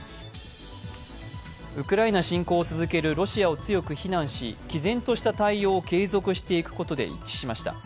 ウクライナ侵攻を続けるロシアを強く非難し毅然とした対応をとっていくことで決まりました。